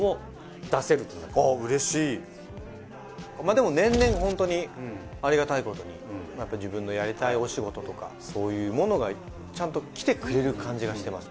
でも年々ホントにありがたいことに自分のやりたいお仕事とかそういうものが来てくれる感じがしてます。